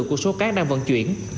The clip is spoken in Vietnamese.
của số cát đang vận chuyển